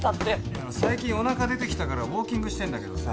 いや最近お腹出てきたからウオーキングしてんだけどさ